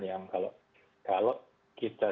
yang kalau kalau kita